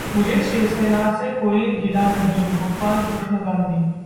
मुझे शिवसेना से कोई गिला नहीं: गोपाल कृष्ण गांधी